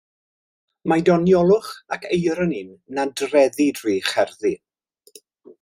Mae doniolwch ac eironi'n nadreddu drwy ei cherddi.